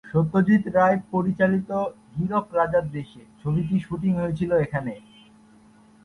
সত্যজিৎ রায় পরিচালিত "হীরক রাজার দেশে" ছবির শ্যুটিং এখানে হয়েছিল।